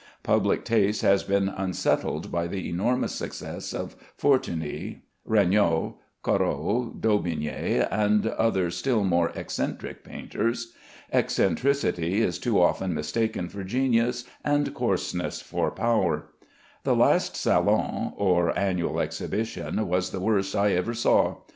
Public taste has been unsettled by the enormous success of Fortuny, Regnault, Corot, Daubigny, and other still more eccentric painters. Eccentricity is too often mistaken for genius, and coarseness for power. The last Salon (or annual exhibition) was the worst I ever saw.